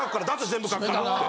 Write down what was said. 全部書くからって。